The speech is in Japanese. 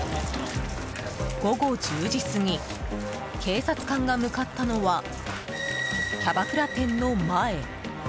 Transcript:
午後１０時過ぎ警察官が向かったのはキャバクラ店の前。